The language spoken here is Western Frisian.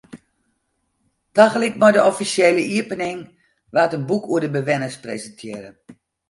Tagelyk mei de offisjele iepening waard in boek oer de bewenners presintearre.